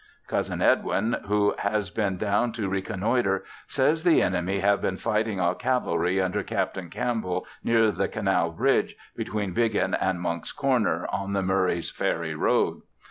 Cousin Edwin, who has been down to reconnoitre, says the enemy have been fighting our cavalry under Captain Campbell near the canal bridge between Biggin and Monck's Corner on the Murray's Ferry Road.